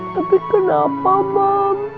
tapi kenapa mam